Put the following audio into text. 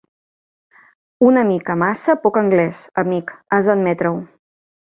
Una mica massa poc anglès, amic, has de admetre-ho.